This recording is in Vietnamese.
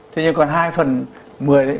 thế nhưng còn hai phần một mươi đấy